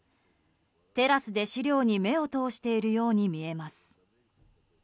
テラスで資料に目を通しているように見えます。